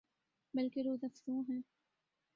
بلکہ روزافزوں ہے